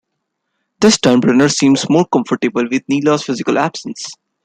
This time Brenner seems more comfortable with Neela's physical absence.